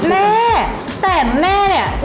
แม่แต่แม่เนี่ย